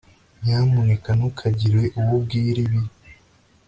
nyamuneka ntukagire uwo ubwira ibi